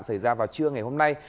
xảy ra vào trưa ngày hôm nay